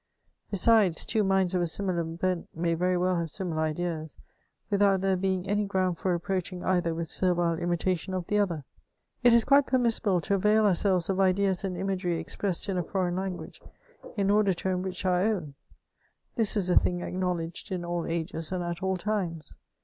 Besides, two minds of a similar bent may very well have similar ideas, without there being any ground for reproaching' either with servile imitation of the other. It is quite permis sible to avail ourselves of ideas and imagery expressed in a foreign language* in order to enrich our own ; this is a thing acknowledged in all ages, and at all times.